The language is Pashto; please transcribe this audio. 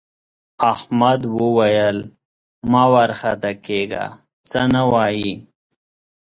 احمد وویل مه وارخطا کېږه څه نه وايي.